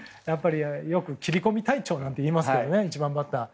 よく切り込み隊長なんて言いますが１番バッターを。